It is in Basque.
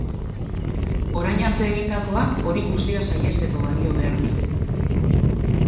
Orain arte egindakoak hori guztia sahiesteko balio behar dio.